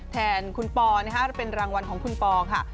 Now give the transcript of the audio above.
แทนคุณปอนะคะเป็นรางวัลของคุณปอค่ะ